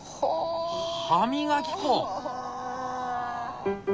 歯磨き粉！